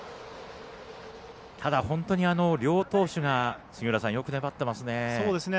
ただ、本当に両投手がよく粘っていますね。